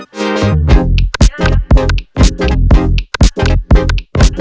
beb nanti di depan dikit